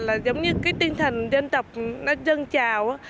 là giống như cái tinh thần dân tộc nó dân chào